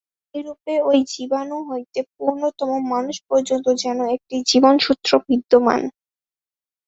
এইরূপে ঐ জীবাণু হইতে পূর্ণতম মানুষ পর্যন্ত যেন একটি জীবনসূত্র বিদ্যমান।